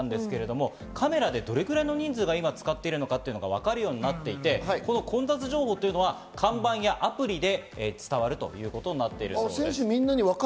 カメラでどれくらいの人数が使ってるのかがわかるようになっていて、混雑情報は看板やアプリで伝わるということになっています。